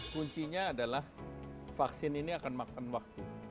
kunci nya adalah vaksin ini akan makan waktu